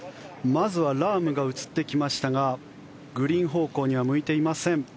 まずはラームが映ってきましたがグリーン方向には向いていません。